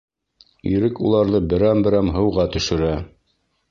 Ирек уларҙы берәм-берәм һыуға төшөрә.